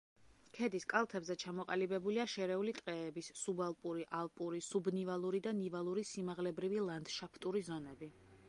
ქედის კალთებზე ჩამოყალიბებულია შერეული ტყეების, სუბალპური, ალპური, სუბნივალური და ნივალური სიმაღლებრივი ლანდშაფტური ზონები.